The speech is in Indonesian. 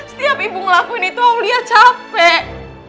setiap ibu ngelakuin itu aulia capek